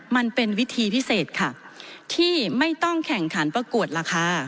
มันเป็นวิธีพิเศษค่ะที่ไม่ต้องแข่งขันประกวดราคา